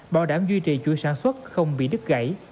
bảo đảm duy trì chuỗi sản xuất không bị đứt gãy